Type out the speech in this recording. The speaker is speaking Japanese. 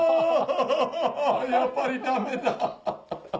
やっぱりダメだ！